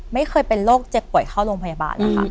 ไม่เคยเป็นโรคเจ็บป่วยเข้าโรงพยาบาลนะคะ